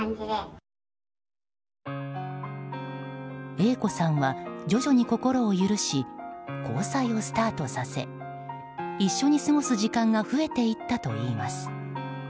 Ａ子さんは徐々に心を許し交際をスタートさせ一緒に過ごす時間が増えていったといいます。